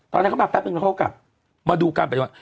ตอนนั้นเขามาแป๊บนึงเขากับมาดูการต่อเนี่ย